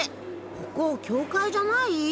ここ教会じゃない？